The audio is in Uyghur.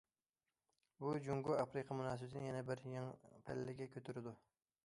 بۇ جۇڭگو ئافرىقا مۇناسىۋىتىنى يەنە بىر يېڭى پەللىگە كۆتۈرىدۇ.